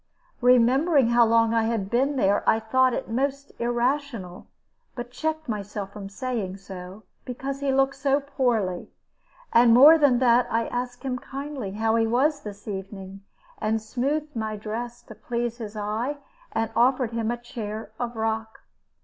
Remembering how long I had been here, I thought this most irrational, but checked myself from saying so, because he looked so poorly. And more than that, I asked him kindly how he was this evening, and smoothed my dress to please his eye, and offered him a chair of rock.